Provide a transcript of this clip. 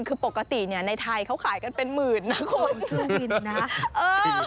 คือปกติเนี่ยในไทยเขาขายกันเป็นหมื่นนะคุณสุรินนะ